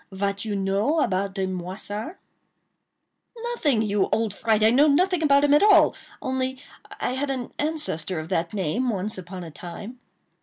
Vat you know about de Moissart?" "Nothing, you old fright!—I know nothing about him at all; only I had an ancestor of that name, once upon a time."